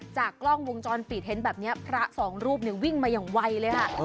จากกล้องวงจรปิดเห็นแบบนี้พระสองรูปวิ่งมาอย่างไวเลยค่ะ